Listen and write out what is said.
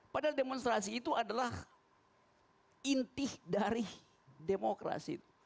padahal demonstrasi itu adalah inti dari demokrasi